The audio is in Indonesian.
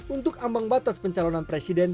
untuk ambang batas pencalonan presiden